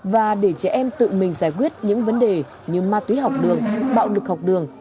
và để trẻ em tự mình giải quyết những vấn đề như ma túy học đường bạo lực học đường